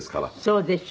そうでしょ？